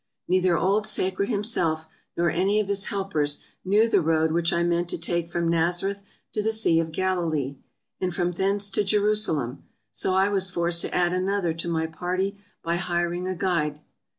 Neither old " Sacred " himself, nor any of his helpers, knew the road which I meant to take from Nazareth to the Sea of Galilee, and from thence to Jerusalem, so I was forced to add another to my party by hiring a guide.